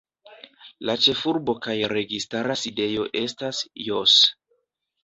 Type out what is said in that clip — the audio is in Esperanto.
La ĉefurbo kaj registara sidejo estas Jos.